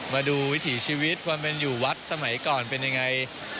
วิถีชีวิตความเป็นอยู่วัดสมัยก่อนเป็นยังไง